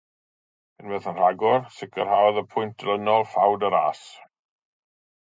Unwaith yn rhagor, sicrhaodd y pwynt dilynol ffawd y ras.